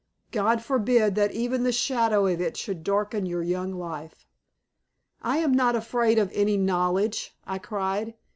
God forbid that even the shadow of it should darken your young life." "I am not afraid of any knowledge," I cried.